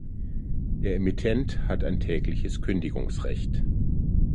Der Emittent hat ein tägliches Kündigungsrecht.